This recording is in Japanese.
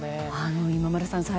今村さん